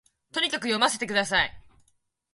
とにかく読ませて下さい